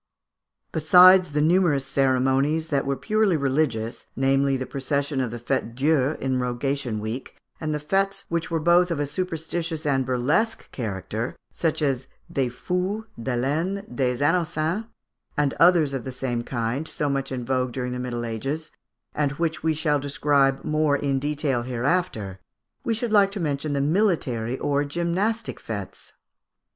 ] Besides the numerous ceremonies which were purely religious, namely, the procession of the Fête Dieu, in Rogation week, and the fêtes which were both of a superstitions and burlesque character, such as des Fous, de l'Ane, des Innocents, and others of the same kind, so much in vogue during the Middle Ages, and which we shall describe more in detail hereafter, we should like to mention the military or gymnastic fêtes.